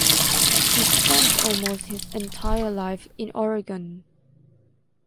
He spent almost his entire life in Oregon.